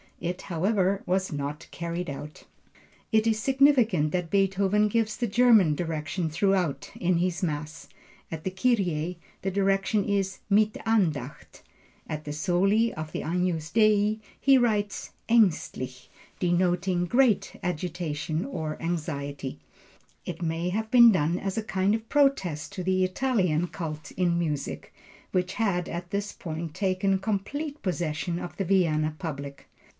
It, however, was not carried out. It is significant that Beethoven gives the German direction throughout in this Mass. At the Kyrie the direction is Mit Andacht. At the soli of the Agnus Dei he writes Aengstlich, denoting great agitation or anxiety. It may have been done as a kind of protest to the Italian cult in music, which had at this period taken complete possession of the Vienna public.